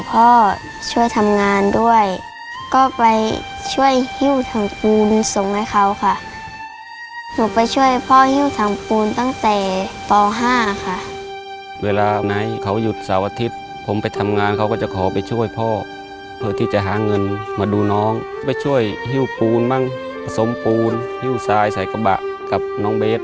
มีความรู้สึกว่ามีความรู้สึกว่ามีความรู้สึกว่ามีความรู้สึกว่ามีความรู้สึกว่ามีความรู้สึกว่ามีความรู้สึกว่ามีความรู้สึกว่ามีความรู้สึกว่ามีความรู้สึกว่ามีความรู้สึกว่ามีความรู้สึกว่ามีความรู้สึกว่ามีความรู้สึกว่ามีความรู้สึกว่ามีความรู้สึกว